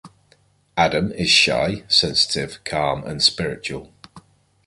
Adam is shy, sensitive, calm, and spiritual.